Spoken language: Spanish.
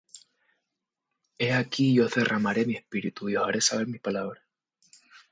He aquí yo os derramaré mi espíritu, Y os haré saber mis palabras.